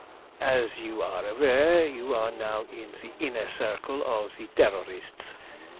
"As you are aware, you are now in the Inner Circle of the Terrorists.